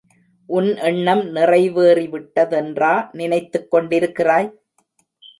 உன் எண்ணம் நிறைவேறிவிட்டதென்றா நினைத்துக்கொண்டிருக்கிறாய்?